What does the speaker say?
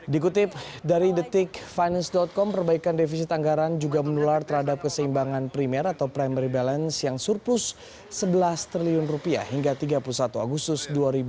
dikutip dari detikfinance com perbaikan defisit anggaran juga menular terhadap keseimbangan primer atau primary balance yang surplus rp sebelas triliun rupiah hingga tiga puluh satu agustus dua ribu dua puluh